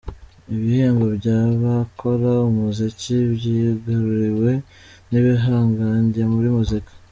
Ibihembo bya Byabakora Umuziki byigaruriwe n’ibihangange muri muzika